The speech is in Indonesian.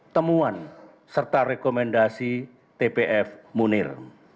temuan serta rekomendasi tpf munir